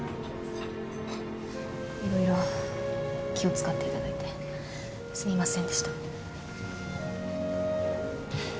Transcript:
色々気を使っていただいてすみませんでした。